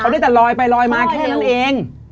ได้แต่ลอยไปลอยมาแค่นั้นเอง